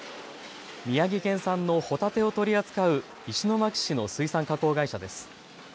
宮城県産のホタテを取り扱う石巻市の水産加工会社です。